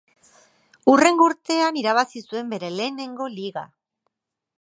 Hurrengo urtean irabazi zuen bere lehenengo liga.